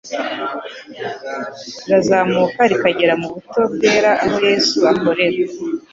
rirazamuka rikagera mu buturo bwera aho Yesu akorera,